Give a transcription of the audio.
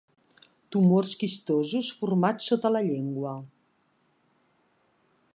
Tumors quistosos formats sota la llengua.